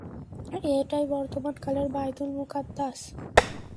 এটাই বর্তমান কালের বায়তুল মুকাদ্দাস।